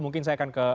mungkin saya akan ke